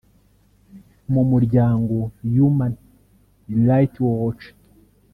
mu muryango Human Rights Watch